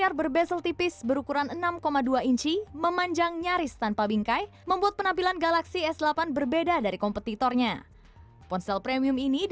sebagai seorang youtuber teknologi yang mungkin udah cukup lama ya pake s delapan ini